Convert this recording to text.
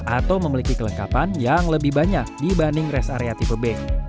atau memiliki kelengkapan yang lebih banyak dibanding rest area tipe b